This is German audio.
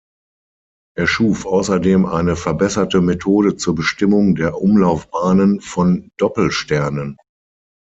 Er schuf außerdem eine verbesserte Methode zur Bestimmung der Umlaufbahnen von Doppelsternen.